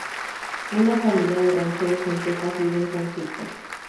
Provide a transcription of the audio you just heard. Una familia de rancheros en Texas vive en conflicto.